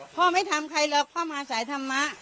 พ่อไม่ทำใครแล้วพ่อมาสายทำมะ